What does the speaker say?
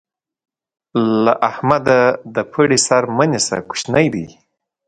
له احمده د پړي سر مه نيسه؛ کوشنی دی.